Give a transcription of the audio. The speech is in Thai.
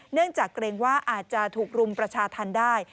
เนื่องจากเกรงว่าอาจจะถูกรุมประชาธรรมได้